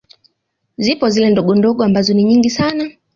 Zipo zile ndogondogo ambazo ni nyingi sana